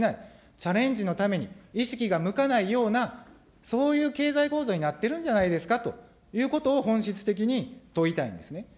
チャレンジのために意識が向かないような、そういう経済構造になってるんじゃないですかということを本質的に問いたいんですね。